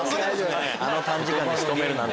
あの短時間で仕留めるなんて。